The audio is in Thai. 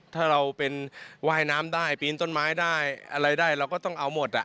ถ้าเราเป็นว่ายน้ำได้ปีนต้นไม้ได้อะไรได้เราก็ต้องเอาหมด